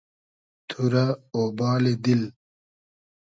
تو رۂ اۉبالی دیل